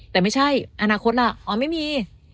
แต่ไม่ใช่อนาคตล่ะอ๋อไม่มี